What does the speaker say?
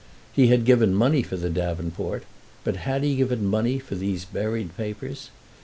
He had given money for the davenport, but had he given money for these buried papers?